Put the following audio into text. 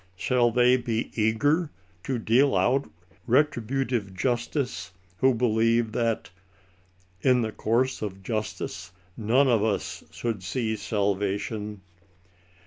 Shall they be eager to deal out retributive justice, who believe that <« In the course of justice none of us Sboifld see salvation?"